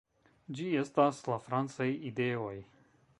Ĝi estas la francaj ideoj.